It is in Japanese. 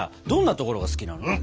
どんなところが好きなの？